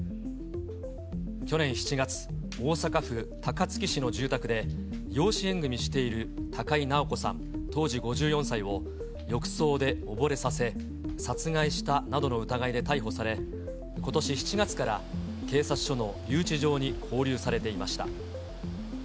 去年７月、大阪府高槻市の住宅で、養子縁組みしている高井直子さん当時５４歳を、浴槽で溺れさせ、殺害したなどの疑いで逮捕され、ことし７月から警察署の留置場に勾留されていました。